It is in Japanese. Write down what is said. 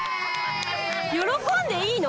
喜んでいいの？